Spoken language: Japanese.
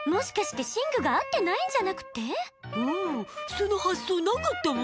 その発想なかったわ。